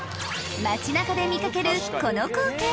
街中で見掛けるこの光景